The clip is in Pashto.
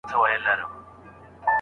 آیا طوطي تر مرغۍ ښکلی غږ لري؟